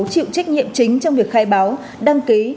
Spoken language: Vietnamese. chịu trách nhiệm chính trong việc khai báo đăng ký